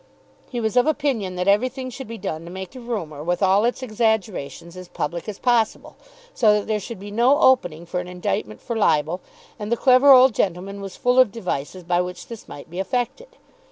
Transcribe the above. He was of opinion that everything should be done to make the rumour with all its exaggerations as public as possible, so that there should be no opening for an indictment for libel; and the clever old gentleman was full of devices by which this might be effected.